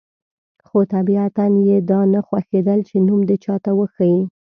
خو طبیعتاً یې دا نه خوښېدل چې نوم دې چاته وښيي.